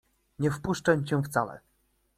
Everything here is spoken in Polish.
Nie wpuszczę cię wcale.